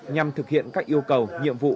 nhằm thực hiện các yêu cầu nhiệm vụ